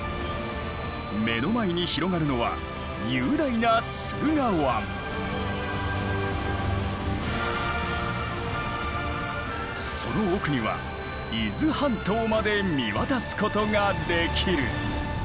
目の前に広がるのは雄大なその奥には伊豆半島まで見渡すことができる。